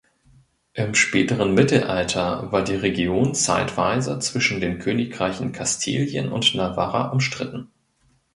Im späteren Mittelalter war die Region zeitweise zwischen den Königreichen Kastilien und Navarra umstritten.